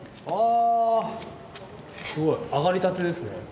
あすごい揚がりたてですね。